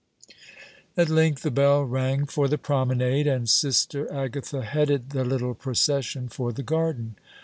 At length the bell rang for the promenade, and Sister Agatha headed the little procession for the garden.